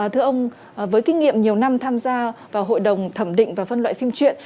thưa ông với kinh nghiệm nhiều năm tham gia vào hội đồng thẩm định và phân loại phim truyện